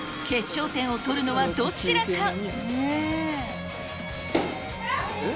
決勝点を取るのはどちらか。